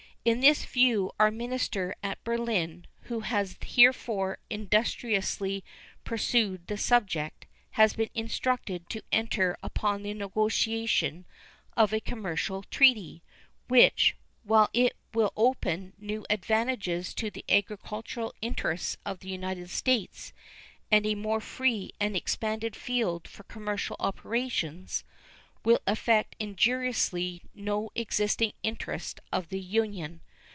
In this view our minister at Berlin, who has heretofore industriously pursued the subject, has been instructed to enter upon the negotiation of a commercial treaty, which, while it will open new advantages to the agricultural interests of the United States and a more free and expanded field for commercial operations, will affect injuriously no existing interest of the Union.